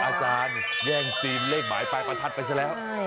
อาจารย์แย่งซีนเลขหมายปลายประทัดไปซะแล้ว